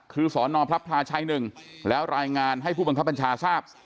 คือสนพระพลาชัย๑แล้วรายงานให้ผู้บังคับบัญชาทราบ